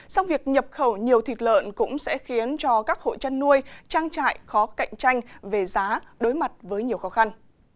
song việc nhập khẩu nhiều thịt lợn cũng sẽ khiến cho các hộ chăn nuôi trang trại khó cạnh tranh về giá đối mặt với nhiều khó khăn